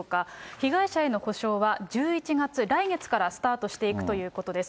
被害者への補償は、１１月、来月からスタートしていくということです。